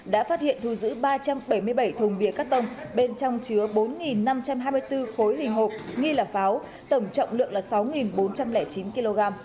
đã phát hiện thu giữ ba trăm bảy mươi bảy thùng bia cắt tông bên trong chứa bốn năm trăm hai mươi bốn khối hình hộp nghi là pháo tổng trọng lượng là sáu bốn trăm linh chín kg